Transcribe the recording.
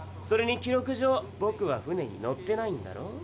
それに記録上ぼくは船に乗ってないんだろ？